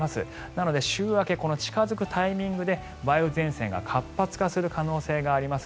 なので、週明け近付くタイミングで梅雨前線が活発化する可能性があります。